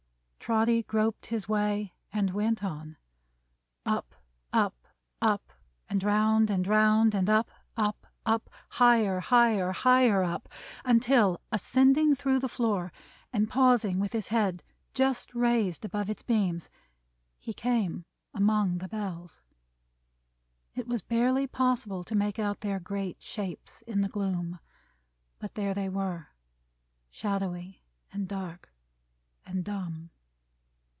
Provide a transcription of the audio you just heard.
Trotty groped his way, and went on. Up, up, up, and round and round; and up, up, up, higher, higher, higher up! Until, ascending through the floor, and pausing with his head just raised above its beams, he came among the Bells. It was barely possible to make out their great shapes in the gloom; but there they were. Shadowy, and dark, and dumb.